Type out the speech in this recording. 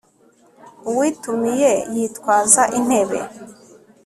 uwitumiye yitwaza intebe